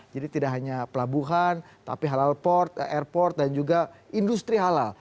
jadi tidak hanya pelabuhan tapi halal port airport dan juga industri halal